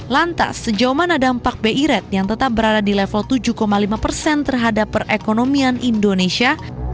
lantas sejauh mana dampak bi rate yang tetap berada di level tujuh lima persen terhadap perekonomian indonesia